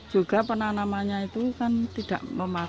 juga penanamannya itu kan tidak memakai